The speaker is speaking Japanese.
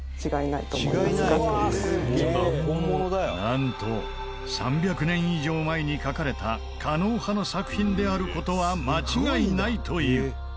なんと３００年以上前に描かれた狩野派の作品である事は間違いないという。